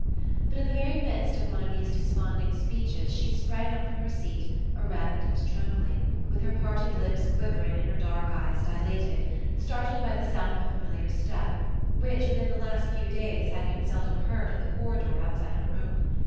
But in the very midst of one of these desponding speeches she sprang up from her seat, erect and trembling, with her parted lips quivering and her dark eyes dilated, startled by the sound of a familiar step, which within the last few days had been seldom heard in the corridor outside her room.